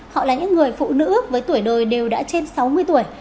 họ là những người phụ nữ với tuổi đời đều đã trên sáu mươi tuổi